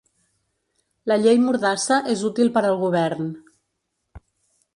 La llei mordassa és útil per al govern.